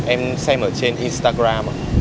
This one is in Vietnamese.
em xem ở trên instagram